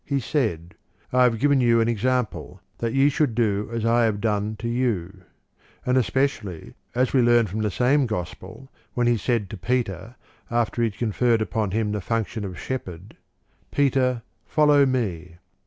He said, " I have given you an example, that ye should do as I have done to you." ^ And especially, as we learn from the same Gospel, when He said to Peter, after He had conferred upon Him the function of shep herd, " Peter, follow me."